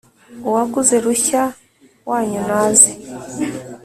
uwaguzwe rushya wanyu naze